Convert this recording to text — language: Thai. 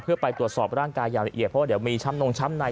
เพื่อไปตรวจสอบร่างกายอย่างละเอียดเพราะว่าเดี๋ยวมีช้ำนงช้ำใน